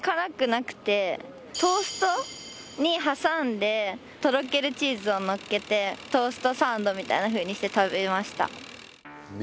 トーストに挟んでとろけるチーズをのっけてトーストサンドみたいな風にして食べました。